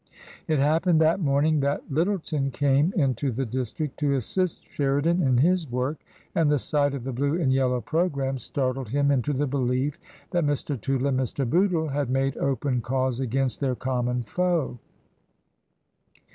It happened that morning that Lyttleton came into the district to assist Sheridan in his work, and the sight of the Blue and Yellow programmes startled him into the belief that Mr. Tootle and Mr. Bootle had made open cause against their common foe.